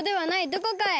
どこかへ。